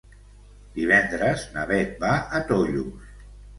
Divendres na Bet va a Tollos.